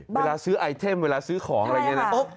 เวลาซื้อไอเทมเวลาซื้อของอะไรอย่างนี้นะ